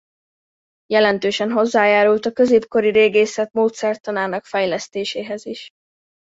Jelentősen hozzájárult a középkori régészet módszertanának fejlesztéséhez is.